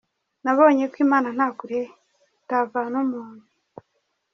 Nabonye ko Imana nta kure itavana umuntu.